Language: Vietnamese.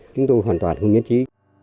chúng tôi hoàn toàn không nhất trí